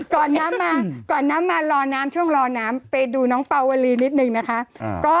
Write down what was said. น้ำมาก่อนน้ำมารอน้ำช่วงรอน้ำไปดูน้องปาวลีนิดนึงนะคะ